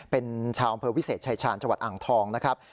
เป็นชาวอำเภอวิเศษชายชาญจังหวัดอ่างทองนะครับ